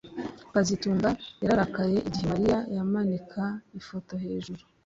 kazitunga yararakaye igihe Mariya yamanika ifoto hejuru